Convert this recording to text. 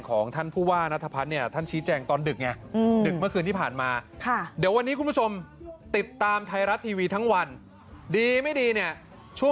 ก็อัปเดตเมื่อประมาณ๕๖วันที่แล้ว